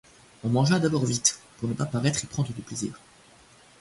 On mangea d'abord vite, pour ne pas paraître y prendre du plaisir.